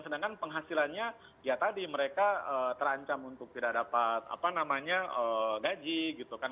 sedangkan penghasilannya ya tadi mereka terancam untuk tidak dapat apa namanya gaji gitu kan